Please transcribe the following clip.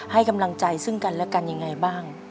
ให้กำลังใจซึ่งกันและกันยังไงบ้าง